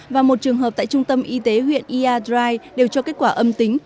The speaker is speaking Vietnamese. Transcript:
và một trường hợp tại trung tâm y tế huyện iadrai đều cho kết quả âm tính